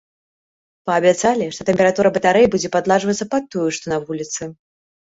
Паабяцалі, што тэмпература батарэй будзе падладжвацца пад тую, што на вуліцы.